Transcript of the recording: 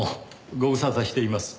ご無沙汰しています。